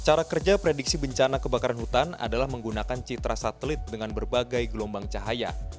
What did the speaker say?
cara kerja prediksi bencana kebakaran hutan adalah menggunakan citra satelit dengan berbagai gelombang cahaya